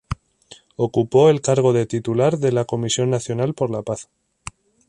Ocupó el cargo de titular de la Comisión Nacional por la Paz.